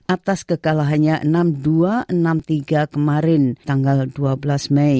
atas kekalahannya enam dua enam tiga kemarin tanggal dua belas mei